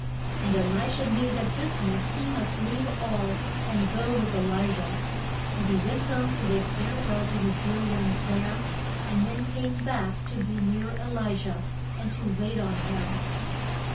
And E li sha knew that this meant he must leave all and go with E li jah. And he went home to bid fare well to his dear ones there, and then came back to be near E li jah and to wait on him.